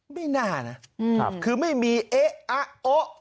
ไม่น่านะคือไม่มีเอ๊ะอะโอ๊ะ